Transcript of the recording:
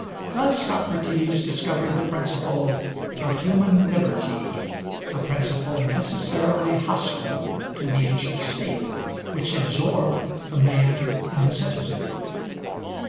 Thus Socrates discovered the principle of human liberty, a principle necessarily hostile to the ancient State, which absorbed the man in the citizen.